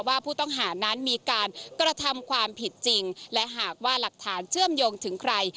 ว่าผู้ต้องหานั้นมีการกระทำความผิดจริงและหากว่าหลักฐานเชื่อมโยงถึงใคร